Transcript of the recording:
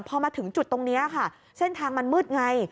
พอมาถึงจุดตรงนี้ค่ะเส้นทางมันมืดไง